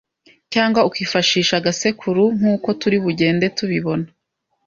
cyangwa ukifashisha agasekuru nkuko turi bugende tubibona.